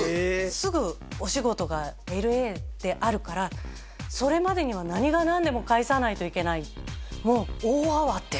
すぐお仕事がＬＡであるからそれまでには何が何でも帰さないといけない